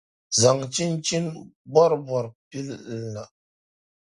zaŋ chinchin’ bɔribɔri pili li.